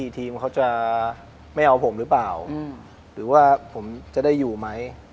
ทีมเขาจะไม่เอาผมหรือเปล่าหรือว่าผมจะได้อยู่ไหม